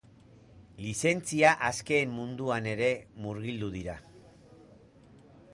Lizentzia askeen munduan ere murgildu dira.